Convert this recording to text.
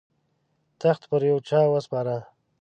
تخت پر یوه چا وسپاره.